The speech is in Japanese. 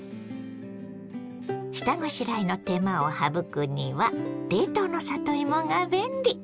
下ごしらえの手間を省くには冷凍の里芋が便利。